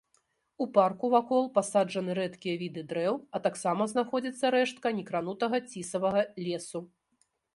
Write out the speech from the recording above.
У парку вакол пасаджаны рэдкія віды дрэў а таксама знаходзіцца рэштка некранутага цісавага лесу.